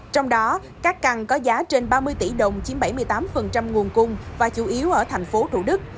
trong đó các căn có giá trên ba mươi tỷ đồng chiếm bảy mươi tám nguồn cung và chủ yếu ở thành phố thủ đức